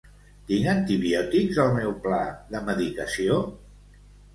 Tinc antibiòtics al meu pla de medicació?